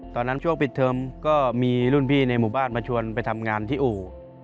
ช่วงปิดเทอมก็มีรุ่นพี่ในหมู่บ้านมาชวนไปทำงานที่อู่